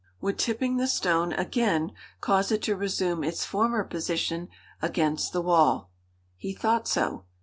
Would tipping the stone again cause it to resume its former position against the wall? He thought so.